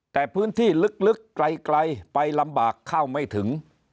แต่พื้นที่ลึกไกลไปลำบากเข้าไม่ถึง